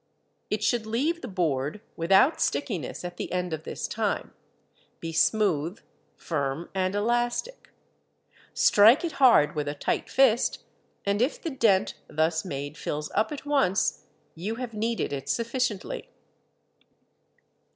It should leave the board without stickiness at the end of this time, be smooth, firm, and elastic. Strike it hard with a tight fist, and if the dent thus made fills up at once, you have kneaded it sufficiently.